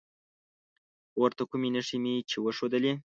پورته کومې نښې مې چې وښودلي